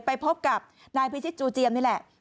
ไปพบกับนายพิชิตจูเจียมนี่แหละ